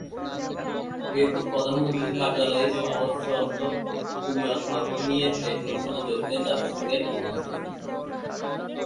এরপর প্রধানমন্ত্রীর কার্যালয়ে সহস্রাব্দ উন্নয়ন লক্ষ্য নিয়ে এক অনুষ্ঠানে যোগ দেন জাতিসংঘের মহাসচিব।